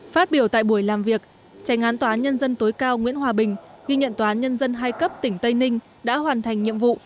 phát biểu tại buổi làm việc tranh án tòa án nhân dân tối cao nguyễn hòa bình ghi nhận tòa án nhân dân hai cấp tỉnh tây ninh đã hoàn thành nhiệm vụ